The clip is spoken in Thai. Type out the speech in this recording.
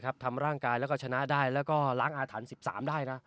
ทำร่างกายแล้วก็ชนะได้แล้วก็ล้างอาถรรพ์๑๓ได้นะ